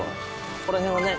ここら辺はね